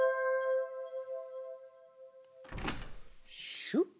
シュッ！